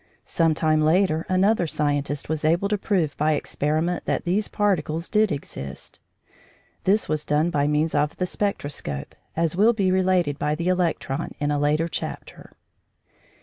Some time later another scientist was able to prove by experiment that these particles did exist. This was done by means of the spectroscope, as will be related by the electron in a later chapter.